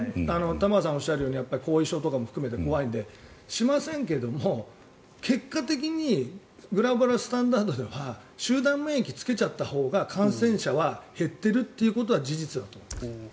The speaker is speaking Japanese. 玉川さんがおっしゃるようにやっぱり後遺症とかも含めて怖いので、しませんけども結果的にグローバルスタンダードでは集団免疫をつけちゃったほうが感染者は減っているということが事実だと。